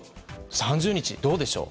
３０日、どうでしょう。